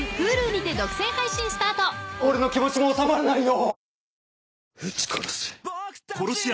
俺の気持ちも収まらないよ！